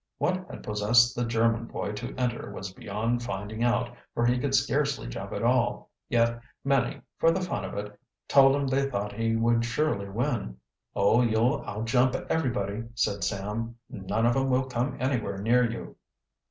What had possessed the German boy to enter was beyond finding out, for he could scarcely jump at all. Yet many, for the fun of it, told him they thought he would surely win. "Oh, you'll outjump everybody," said Sam. "None of 'em will come anywhere near you."